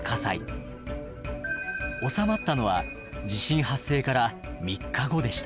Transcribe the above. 収まったのは地震発生から３日後でした。